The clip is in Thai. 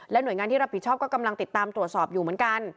หน่วยงานที่รับผิดชอบก็กำลังติดตามตรวจสอบอยู่เหมือนกัน